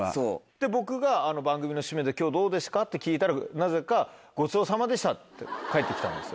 で僕が番組の締めで「どうでしたか？」って聞いたらなぜか「ごちそうさまでした」って返ってきたんです。